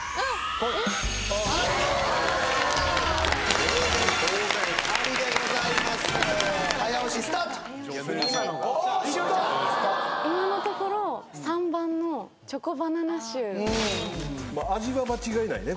今のところ３番のチョコバナナシュー味は間違いないね